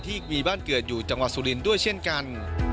ที่มีบ้านเกิดอยู่จังหวัดสุรินทร์ด้วยเช่นกัน